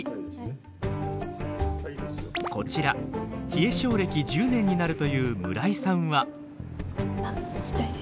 こちら冷え症歴１０年になるという村井さんは。